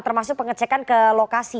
termasuk pengecekan ke lokasi